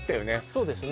そうですね